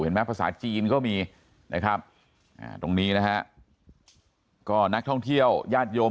ภาษาจีนก็มีนะครับตรงนี้นะฮะก็นักท่องเที่ยวญาติโยม